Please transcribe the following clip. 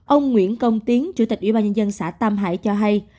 ông nguyễn công tiến chủ tịch ủy ban nhân dân xã tam hải cho hay